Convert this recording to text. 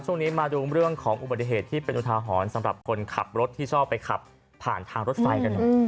ช่วงนี้มาดูเรื่องของอุบัติเหตุที่เป็นอุทาหรณ์สำหรับคนขับรถที่ชอบไปขับผ่านทางรถไฟกันหน่อย